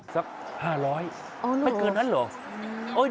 สัก๕๐๐บาทไม่เกินนั้นเหรอโอ้โฮโอ้โฮ